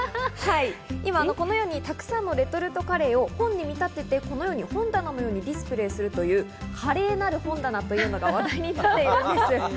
今、このようにたくさんのレトルトカレーを本に見立ててこのように本棚のようにディスプレイするというカレーなる本棚というのが話題になっているんです。